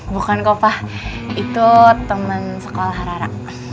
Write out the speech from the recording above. bukan kok pak itu temen sekolah rara